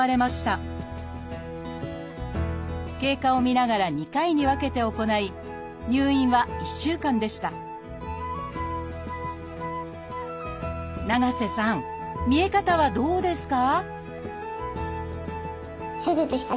経過を見ながら２回に分けて行い入院は１週間でした長瀬さん見え方はどうですか？